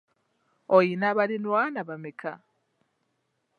Oyina baliraanwa bameka?